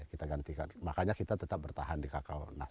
kita gantikan makanya kita tetap bertahan di kakao